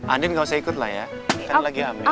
andin gak usah ikut lah ya kan lagi ambil